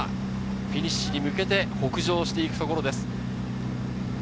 フィニッシュに向けて北上していくところです。